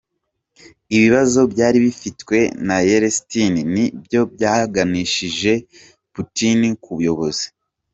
Ibibazo byari bifitwe na Yeltsin ni byo byaganishije Putin ku buyobozi.